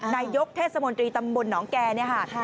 นายกเทศมนตรีตำบลหนองแก่เนี่ยค่ะ